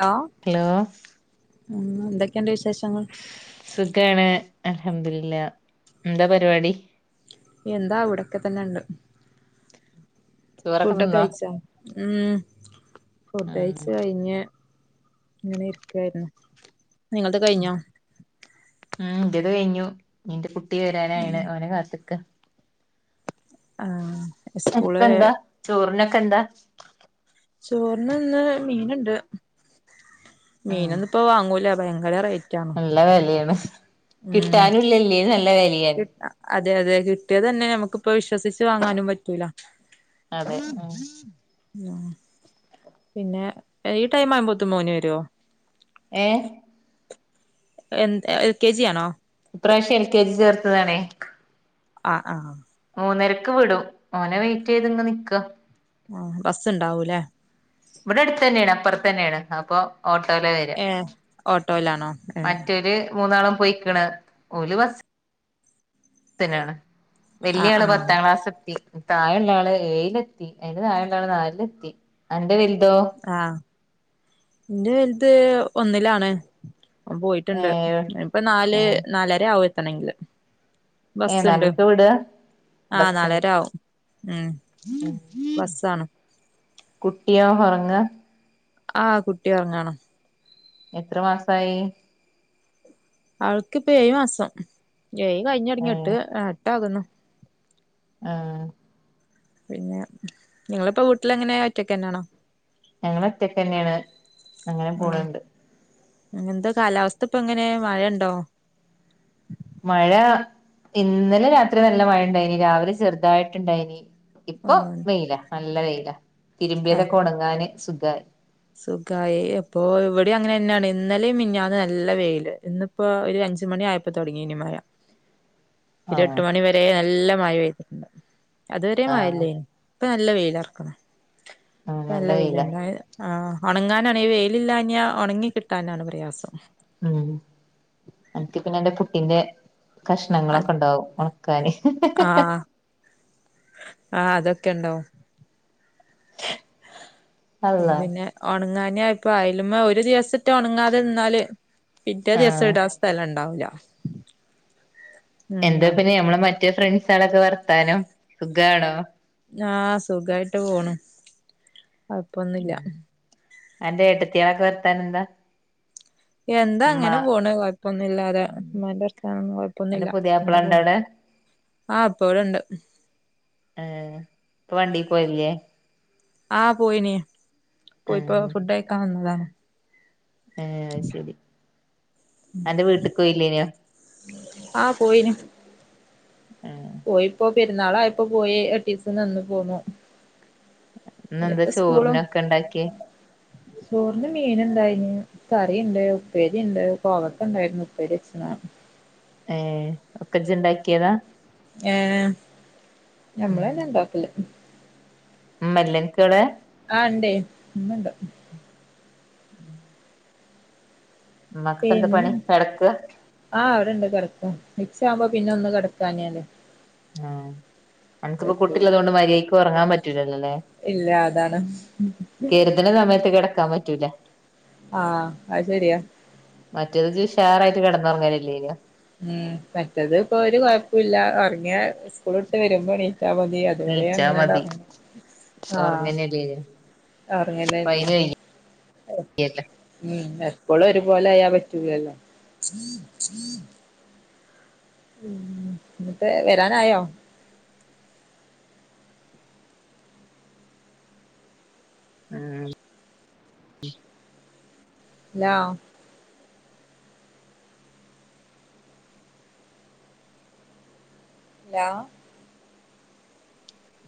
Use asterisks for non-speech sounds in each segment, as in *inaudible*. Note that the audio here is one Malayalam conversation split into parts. ഹലോ ഹെലോ ഉം എന്തെക്കെണ്ട് വിശേഷങ്ങൾ സുഖാണ് അൽഹംദുലില്ലാഹ് എന്താ പരിപാടി എന്താ അവിടൊക്കെ തന്നെ ഇണ്ട് ചോറൊക്കെ ഫുഡൊക്കെ തിന്നോ കഴിച്ചാ ഉം ഉം ഫുഡഴിച്ച് കഴിഞ്ഞ് അങ്ങനെ ഇരിക്കായിരുന്നു നിങ്ങള്ത് കഴിഞ്ഞോ ഉം ഇന്റെ കഴിഞ്ഞു ഇന്റെ കുട്ടി വരാനായിണ് ഓനെ കാത്ത്ക്കാ ആഹ് സ്കൂള് എക്കന്ത ചോറിനക്കെന്താ ചോറിനിന്ന് മീനെണ്ട് ഉം മീനൊന്നും ഇപ്പോ വാങ്ങൂല്ല ഭയങ്കര റേറ്റാണ് നല്ല വെലേണ് കിട്ടാനുല്ലല്ലേ നല്ല വെലയാണ് അതെ അതെ കിട്ടിയാതന്നെ നമ്മക്കിപ്പോ വിശ്വസിച്ച് വാങ്ങാനും പറ്റൂല അതെ ഉം ഉം പിന്നെ ഈ ടൈം ആവുമ്പോത്തും മോന് വരുവോ ഏഹ് എന്ത്‌ എൽ കെ ജി ആണോ ഇപ്രാവശ്യം എൽ കെ ജി ചേർത്തതാണേ ആഹ് ആഹ് മൂന്നരക്ക് വിടും ഓന വെയിറ്റ് ചെയ്ത് ഇങ്‌ നിക്കാ ആഹ് ബസ്സെണ്ടാവൂല്ലേ ഇവിടടുത്ത് തന്നേണ് അപ്പുറത്ത് തന്നേണ് അപ്പൊ ഓട്ടോയിലാ വരാ ഏഹ് ഓട്ടോയിലാണോ ഏഹ് മറ്റേത് മൂന്നാളും പോയിക്കണ് ഓല് ബസ് സിനാണ്‌ ആഹ് വല്ല്യാള് ആഹ് പത്താം ക്ലാസ്സെത്തി താഴെള്ള ആള് ഏഴിലെത്തി അതിന്റെ താഴെള്ള ആള് നാലിലെത്തി അന്റെ വലുതോ ആഹ് ഇന്റെ വൽത് ഒന്നിലാണ് ഓള് പോയിട്ടുണ്ട് ഏഹ് ഇപ്പൊ നാല് ആഹ് നാലര ആവും എത്തണെങ്കില് ഏഹ് ബസ്സുണ്ട് നാലരക്കാ വിടാ ആഹ് ബസിന് നാലര ആവും ഉം ബസ്സാണ് കുട്ടിയോ ഒറങ്ങാ ആഹ് കുട്ടി ഒറങ്ങാണ് എത്ര മാസായി അവൾ‌ക്കിപ്പ എഴ് മാസം ഏഴ് കഴിഞ്ഞ് തൊടങ്ങി എട്ട് ഏഹ് ആഹ് എട്ടാകുന്നു ആഹ് പിന്നെ നിങ്ങളിപ്പൊ വീട്ടിലെങ്ങനെ ഒറ്റക്ക് തന്നെയാണോ ഞങ്ങളൊറ്റക്ക് തന്നെയാണ് അങ്ങനെ പോണെണ്ട് അങ്ങെന്താ കാലാവസ്ഥിപ്പ എങ്ങനേ മഴ എണ്ടോ മഴ ഇന്നലെ രാത്രി നല്ല മഴ എണ്ടായിനി രാവിലെ ചെറുതായിട്ടെണ്ടായിനി ഇപ്പൊ ആഹ് വെയിലാ നല്ല വെയില ആഹ് തിരുമ്പിയതൊക്കെ ഒണങ്ങാന് സുഖായി സുഖായി അപ്പൊ ഇവിടെയും അങ്ങനെ തന്നെയാണ് ഇന്നലെയും മിനിഞ്ഞാന്നും നല്ല വെയില് ഇന്ന് ഇപ്പൊ ഒരു അഞ്ചു മണി ആയപ്പൊ തൊടങ്ങീനി മഴ ഉ ഒരു എട്ട് മണി വരേ നല്ല മഴ പെയ്തിട്ടിണ്ട് അതുവരെ മഴ ആഹ് ഇല്ലേനി ഇപ്പ നല്ല വെയിലൊറക്കണ് ആഹ് ഇപ്പൊ നല്ല വെയിലെ വെയിലാ *unintelligible* ആഹ് ഒണങ്ങാനാണ് ഈ വെയിലില്ലാഞ്ഞാ ഒണങ്ങി കിട്ടാനാണ് പ്രയാസം ഉം എനിക്ക് പിന്നെ എന്റെ കുട്ടീന്റെ അത് കഷ്ണങ്ങളൊക്കെ എണ്ടാവും ഒണക്കാന് ആഹ് ആഹ് അതൊക്കെ എണ്ടാവും അപ്പൊ അള്ളാ പിന്നെ ഒണങ്ങാനെയപ്പ അയല്മ്മ ഒരു ദിവസിട്ട ഒണങ്ങാതെ നിന്നാല് പിറ്റെ ദിവസം ആഹ് ഇടാൻ സ്ഥലം എണ്ടാവൂല്ല എന്താ പിന്നെ ഞമ്മളെ മറ്റേ ഫ്രണ്ട്സളൊക്കെ വർത്താനം സുഖാണോ ആഹ് സുഖായിട്ട് പോണു കൊഴപ്പൊന്നുല്ല ഉം അന്റെ ഏട്ടത്തിയേളൊക്കെ വർത്താനന്താ? എന്താ അങ്ങനെ പോണ് കൊഴപ്പൊന്നുല്ലാതെ ഉമ്മാന്റെറത്താനൊന്നും അന്റെ കൊഴപ്പൊന്നുല്ല പുതിയാപ്പള അങ്ങനെ ഉണ്ടോ പോണ് അവിടെ ആഹ് ഇപ്പവടണ്ട് ഏഹ് ഇപ്പൊ വണ്ടി പോയില്ലേ ആഹ് പോയിന്യേ പോയിപ്പോ ആഹ് ഫുഡഴിക്കാൻ വന്നതാണ് ഏഹ് അത് ശരി അന്റെ വീട്ട്ക്കോയില്ലേനിയോ ആഹ് പോയിനു ഏഹ് പോയിപ്പോ പെരുന്നാളായിപ്പോ പോയി എട്ടീസം നിന്ന് പോന്നു ഇന്നെന്താ ഇനിപ്പ സ്കൂളും ചോറിനൊക്കെ ഉണ്ടാക്കിയേ ചോറിന് മീൻ ഇണ്ടായിന്ന് കറിണ്ട് ഉപ്പേരിണ്ട് കോവക്ക ഉണ്ടായിരുന്നു ഉപ്പേരി എച്ച്നാ ഏഹ് ഒക്കെ ഇജ്ജ്ണ്ടാക്കിയതാ ഏഹ് ഞമ്മളന്ന ഇണ്ടാക്കല് ഉമ്മല്ലെ അൻക്കവടെ ആഹ് ഇണ്ടേ ഇമ്മണ്ട് ഉം ഉമ്മാക്ക് എന്ത പിന്നെ പണി കെടക്കാ ആഹ് അവിടെ ഇണ്ട് കെടക്ക മിക്സ് ആവുമ്പോ പിന്നെ ഒന്ന് കെടക്കാഞ്ഞാല് ആഹ് അൻക്ക്പ്പോ പറ്റൂല കുട്ടിള്ളതൊണ്ട് മര്യായ്ക്ക് ഉറങ്ങാൻ പറ്റൂലല്ലോ ല്ലേ ഇല്ല അതാണ് കേ ചില സമയത്ത് കിടക്കാൻ പറ്റൂല ആഹ് അത് ശെരിയാ മറ്റേത് ജ്ജ് ഷാറായിട്ട് കെടന്നുറങ്ങല്‌ അല്ലേനിയോ ഉം മറ്റത് ഇപ്പൊ ഒരു കൊഴപ്പുല്ല ഒറങ്ങിയ സ്കൂള് വിട്ട് വരുമ്പോ എണീറ്റാ മതി അതുവരെ നീച്ചാ അങ്ങനെ മതി തറങ്ങു ആഹ് *unintelligible* ഇപ്പ അറങ്ങനെല്ല അയിന് വയ്യല്ലോ ഉം എപ്പളും ഒരുപോലെ ആയാ പറ്റൂലല്ലോ ഉം ന്നട്ട് വരാനായോ ഉം ഹലോ ഇല്ല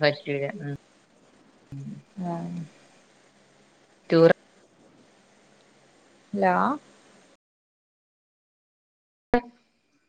പറ്റൂല്ല ഉം ആഹ് ടൂറ് ഹലോ *unintelligible*